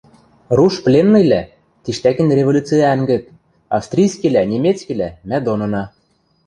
Руш пленныйвлӓ – тиштӓкен революциӓнгӹт, австрийскийвлӓ, немецкийвлӓ – мӓ донына.